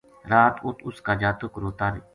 رات اُت اس کا جاتک روتا